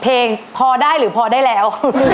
เพลงพอได้หรือพอได้แล้ว